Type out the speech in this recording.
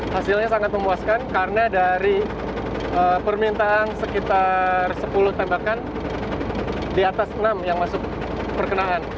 hasilnya sangat memuaskan karena dari permintaan sekitar sepuluh tembakan di atas enam yang masuk perkenaan